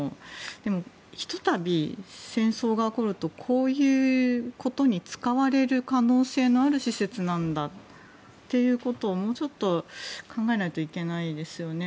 でも、ひとたび戦争が起こるとこういうことに使われる可能性のある施設なんだっていうことをもうちょっと考えないといけないですよね。